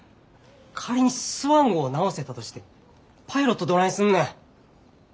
仮にスワン号を直せたとしてもパイロットどないすんねん。